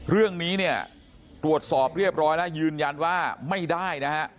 เรื่องนี้เนี่ยตรวจสอบเรียบร้อยแล้วยืนยันว่าไม่ได้นะฮะ